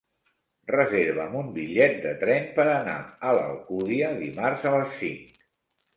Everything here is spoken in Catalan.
Reserva'm un bitllet de tren per anar a l'Alcúdia dimarts a les cinc.